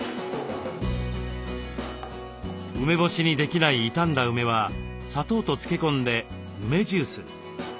梅干しにできない傷んだ梅は砂糖と漬け込んで梅ジュースに。